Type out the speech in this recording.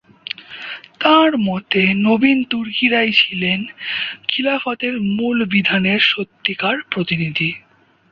তাঁর মতে, নবীন তুর্কিরাই ছিলেন খিলাফতের মূল বিধানের সত্যিকার প্রতিনিধি।